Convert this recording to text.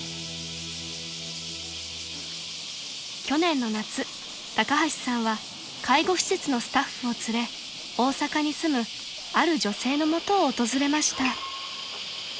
［去年の夏高橋さんは介護施設のスタッフを連れ大阪に住むある女性の元を訪れました］